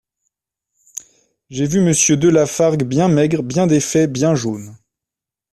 J'ai vu Monsieur de La Fargue bien maigre, bien défait, bien jaune.